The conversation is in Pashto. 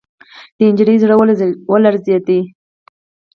د نجلۍ زړه ولړزېد.